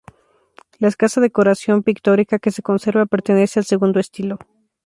La escasa decoración pictórica que se conserva pertenece al segundo estilo.